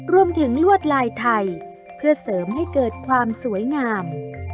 ลวดลายไทยเพื่อเสริมให้เกิดความสวยงาม